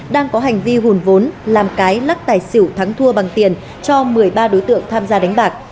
đang có hành vi hùn vốn làm cái lắc tài xỉu thắng thua bằng tiền cho một mươi ba đối tượng tham gia đánh bạc